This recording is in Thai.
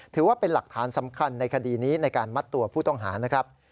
ถือว่าเป็นหลักฐานสำคัญในคดีนี้ในการมัดตัวผู้ต้องหานะครับ